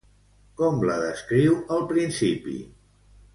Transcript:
Com la descriu al principi?